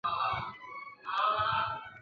该海峡中有天鹅群岛等岛屿。